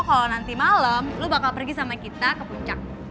kalo nanti malem lo bakal pergi sama kita ke puncak